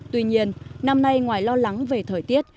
tuy nhiên năm nay ngoài lo lắng về thời tiết